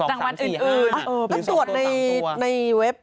แล้วตรวจในเว็บ